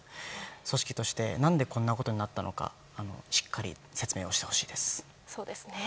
組織として何でこんなことになったのかしっかり説明をしてほしいです。